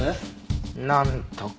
なんとか。